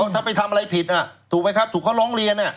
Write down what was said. ถ้าไปทำอะไรผิดถูกไหมครับถูกเขาร้องเรียน